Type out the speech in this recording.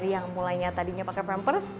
dan juga untuk mengembangkan mereka